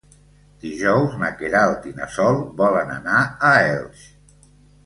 Dijous na Queralt i na Sol volen anar a Elx.